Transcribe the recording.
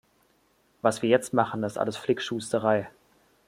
Was wir jetzt machen, ist alles Flickschusterei.